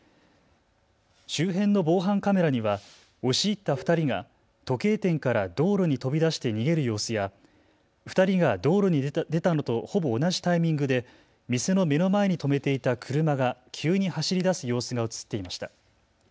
周辺の防犯カメラには押し入った２人が時計店から道路に飛び出して逃げる様子や２人が道路に出たのとほぼ同じタイミングで店の目の前に止めていた車が急に走りだす様子が写っていました。